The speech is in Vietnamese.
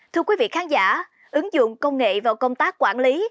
thưa quý vị khán giả ứng dụng công nghệ vào công tác quản lý